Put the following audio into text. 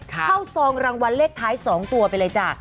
ซองรางวัลเลขท้าย๒ตัวไปเลยจ้ะ